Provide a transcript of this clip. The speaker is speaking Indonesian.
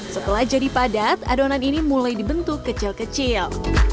setelah jadi padat adonan ini mulai dibentuk kecil kecil